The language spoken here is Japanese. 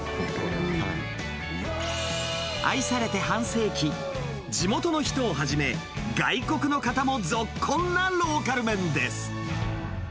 愛されて半世紀、地元の人をはじめ、外国の方もぞっこんなローカル麺です。